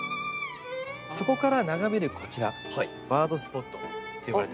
そこから眺めるこちら「バードスポット」っていわれてまして。